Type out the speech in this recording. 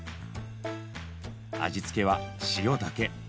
味付けは塩だけ。